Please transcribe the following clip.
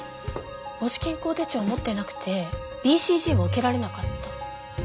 母子健康手帳を持ってなくてＢＣＧを受けられなかった。